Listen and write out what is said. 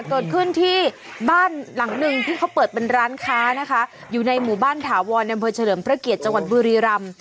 เกิดขึ้นที่บ้านหลังหนึ่งที่เขาเปิดเป็นร้านค้านะคะอยู่ในหมู่บ้านถาวรในอำเภอเฉลิมพระเกียรติจังหวัดบุรีรำ